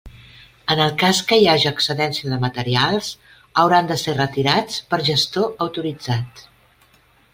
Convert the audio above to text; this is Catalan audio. En el cas que hi haja excedència de materials, hauran de ser retirats per gestor autoritzat.